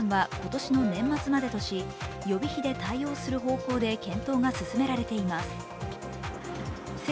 補助の期限は今年の年末までとし予備費で対応する方向で検討が進められています。